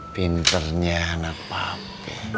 pinternya anak pabe